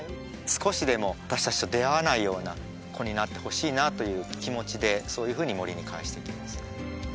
少しでも私達と出会わないような子になってほしいなという気持ちでそういうふうに森に返していきます